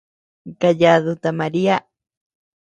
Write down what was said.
Kayadu ta Maria.